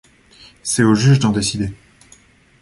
C'est au juge d'en décider.